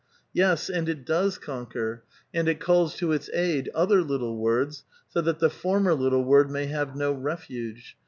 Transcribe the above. Yes, and it does conquer, and it calls to its aid other little words, so that the former little word may have no refuge.